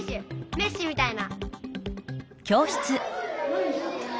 メッシみたいな。